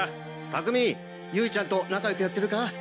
「拓海ゆいちゃんと仲よくやってるか？」